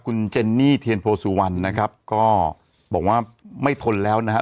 คุณเจนนี่เทียนโพสุวรรณนะครับก็บอกว่าไม่ทนแล้วนะฮะ